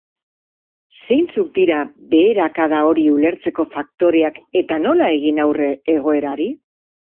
Zeintzuk dira beherakada hori ulertzeko faktoreak eta nola egin aurre egoerari?